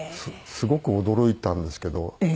すごく驚いたんですけど。